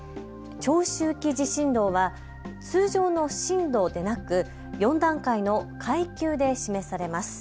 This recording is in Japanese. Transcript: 長周期地震動は通常の震度でなく４段階の階級で示されます。